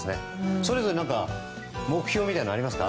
それぞれ何か目標みたいなのありますか？